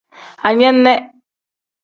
Anene.